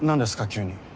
急に。